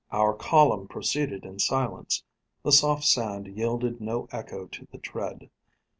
Our column proceeded in silence. The soft sand yielded no echo to the tread.